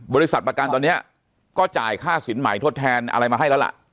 บริษัทประกันตอนนี้ก็จ่ายค่าสินใหม่ทดแทนอะไรมาให้แล้วล่ะ